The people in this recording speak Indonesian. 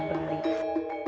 kain tenun geringsing